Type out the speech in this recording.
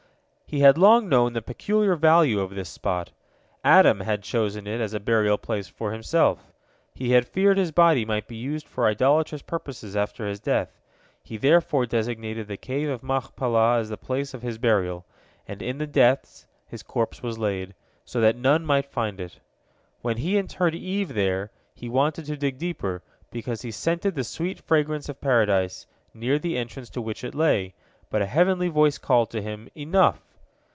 He had long known the peculiar value of this spot. Adam had chosen it as a burial place for himself. He had feared his body might be used for idolatrous purposes after his death; he therefore designated the Cave of Machpelah as the place of his burial, and in the depths his corpse was laid, so that none might find it. When he interred Eve there, he wanted to dig deeper, because he scented the sweet fragrance of Paradise, near the entrance to which it lay, but a heavenly voice called to him, Enough!